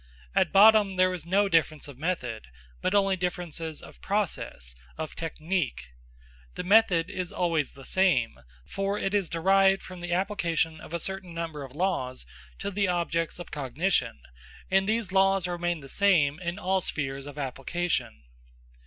At bottom there is no difference of method, but only differences of process, of technique. The method is always the same, for it is derived from the application of a certain number of laws to the objects of cognition, and these laws remain the same in all spheres of application.